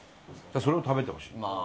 それを食べてほしい。